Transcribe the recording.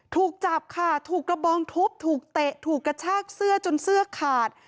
ถูกจับค่ะถูกกระบองทุบถูกเตะถูกกระชากเสื้อจนเสื้อขาด